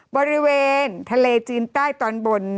บริเวณทะเลจีนใต้ตอนบน